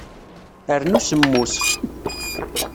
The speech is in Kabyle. Rnu semmus.